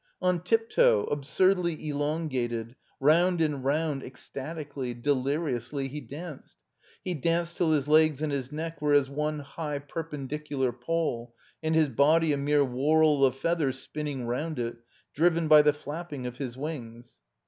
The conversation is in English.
On tiptoe, absurdly elongated, round and rotmd, ecstatically, deliriously, he danced. He danced till his legs and his neck were as one high perpendicular pole and his body a mere whorl of feathers spinning round it, driven by the flapping of his wings.